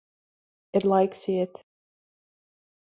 Ir laiks iet.